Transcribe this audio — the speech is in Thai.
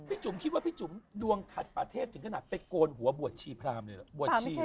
พี่จุ๋มคิดว่าพี่จุ๋มดวงขัดประเทศถึงขนาดไปโกนหัวบวชชีพระอำนวยหรือ